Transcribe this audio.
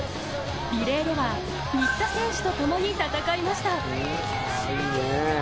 リレーでは、新田選手とともに戦いました。